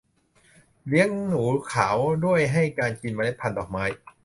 เลี้ยงหนูขาวด้วยการให้กินเมล็ดพันธ์ดอกไม้